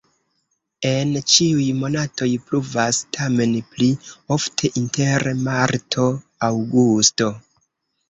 En ĉiuj monatoj pluvas, tamen pli ofte inter marto-aŭgusto.